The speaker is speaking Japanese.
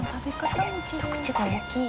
ひと口が大きい。